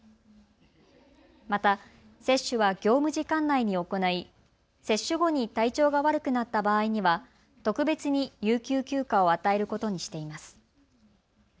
また、接種は業務時間内に行い接種後に体調が悪くなった場合には特別に有給休暇を与えることにしています。